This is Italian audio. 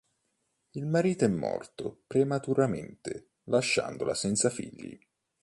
Il marito è morto prematuramente, lasciandola senza figli.